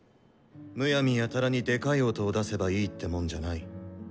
むやみやたらにでかい音を出せばいいってもんじゃない。